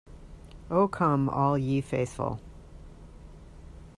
Oh come all ye faithful.